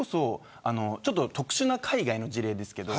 特殊な海外の事例ですけど